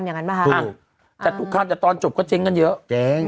มันยุ่งแบบจัดตุครามยังงั้นป่าหะอ๋อ